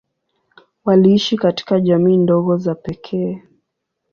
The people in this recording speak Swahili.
Waliishi katika jamii ndogo za pekee.